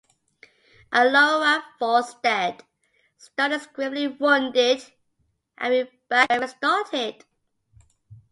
Alaura falls dead, Stone is gravely wounded, and we're back where we started.